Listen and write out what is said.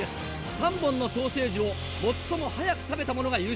３本のソーセージを最も早く食べた者が優勝。